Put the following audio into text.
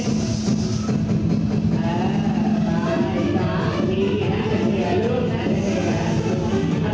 สุดท้ายก็ไม่มีเวลาที่จะรักกับที่อยู่ในภูมิหน้า